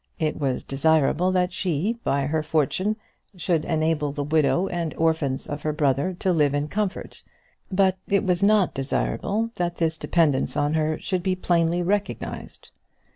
It was desirable that she, by her fortune, should enable the widow and orphans of her brother to live in comfort; but it was not desirable that this dependence on her should be plainly recognised.